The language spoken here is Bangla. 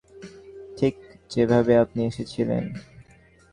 ঠিক যেভাবে আপনি এসেছিলেন।